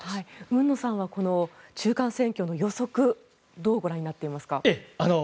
海野さんは中間選挙の予測どうご覧になっていますか？